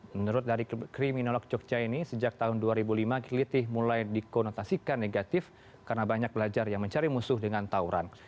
menurut dari kriminolog jogja ini sejak tahun dua ribu lima gelitih mulai dikonotasikan negatif karena banyak belajar yang mencari musuh dengan tawuran